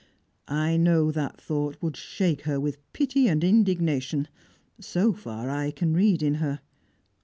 I know that thought would shake her with pity and indignation. So far I can read in her.